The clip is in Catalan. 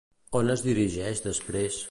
On es dirigeix després?